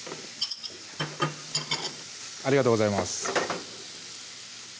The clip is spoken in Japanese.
ありがとうございます